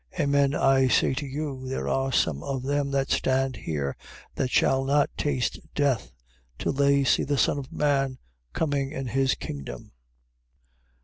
16:28. Amen I say to you, there are some of them that stand here, that shall not taste death, till they see the Son of man coming in his kingdom.